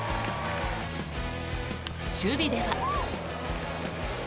守備では。